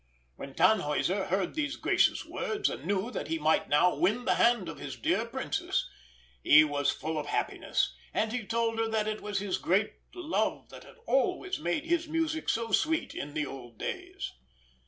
When Tannhäuser heard these gracious words, and knew that he might now win the hand of his dear Princess, he was full of happiness; and he told her that it was his great love that had always made his music so sweet in the old days.